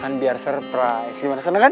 kan biar surprise gimana sana kan